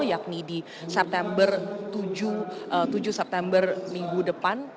yakni di september tujuh september minggu depan